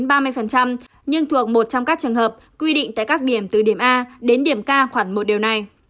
nhưng thuộc một trong các trường hợp quy định tại các điểm từ điểm a đến điểm k khoảng một điều này